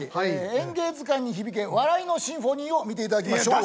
「『演芸図鑑』に響け笑いのシンフォニー」を見ていただきましょう。